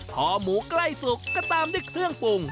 พอหมูใกล้สุกก็ตามด้วยเครื่องปรุง